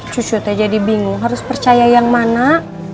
cucu itu jadi bingung harus percaya yang mana